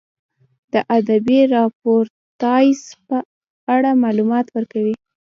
د ادبي راپورتاژ په اړه معلومات ورکړئ.